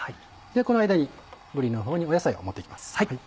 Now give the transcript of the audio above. この間にぶりのほうに野菜を盛って行きます。